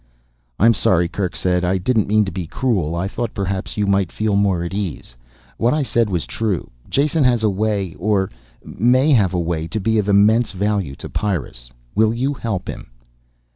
"I'm sorry," Kerk said. "I didn't mean to be cruel. I thought perhaps you might feel more at ease. What I said was true. Jason has a way or may have a way to be of immense value to Pyrrus. Will you help him?"